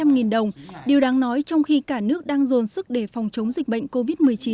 một trăm linh đồng điều đáng nói trong khi cả nước đang dồn sức để phòng chống dịch bệnh covid một mươi chín